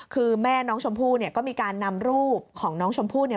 คือแม่น้องชมพู่เนี่ยก็มีการนำรูปของน้องชมพู่เนี่ย